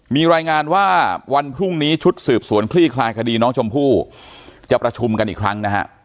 มีรายงานว่าวันพรุ่งนี้ชุดสืบสวนคลี่คลายคดีน้องชมพู่จะประชุมกันอีกครั้งนะฮะ